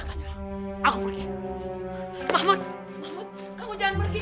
kalian gak perlu tau